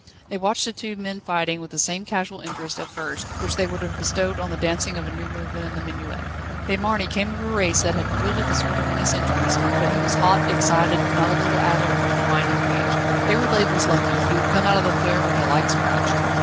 They watched the two men fighting, with the same casual interest, at first, which they would have bestowed on the dancing of a new movement in the minuet. De Marny came of a race that had wielded the sword of many centuries, but he was hot, excited, not a little addled with wine and rage. Déroulède was lucky; he would come out of the affair with a slight scratch.